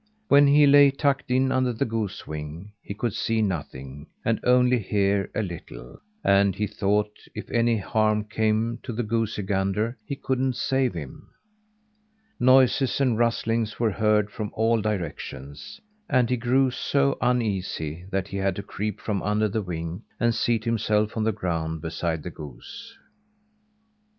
Where he lay tucked in under the goose wing he could see nothing, and only hear a little; and he thought if any harm came to the goosey gander, he couldn't save him. Noises and rustlings were heard from all directions, and he grew so uneasy that he had to creep from under the wing and seat himself on the ground, beside the goose.